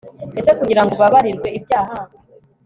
Ese kugira ngo ubabarirwe ibyaha